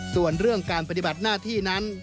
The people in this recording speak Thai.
ส่วนเรื่องการปฏิบัติหน้าที่นั้น